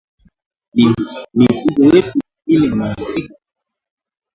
Ni mifugo wepi wengine wanaothirika